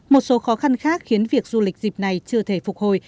một số khó khăn khác khiến việc du lịch dịp này chưa thể phục hồi